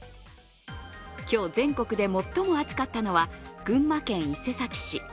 今日、全国で最も暑かったのは群馬県伊勢崎市。